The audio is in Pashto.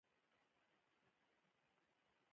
باران ډیر اووریدو